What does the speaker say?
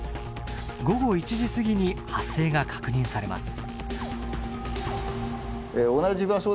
午後１時すぎに発生が確認されます。